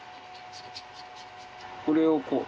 これをこう。